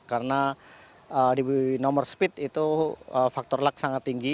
karena di nomor speed itu faktor luck sangat tinggi